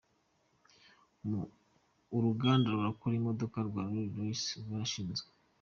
Uruganda rukora imodoka rwa Rolls-Royce rwarashinzwe.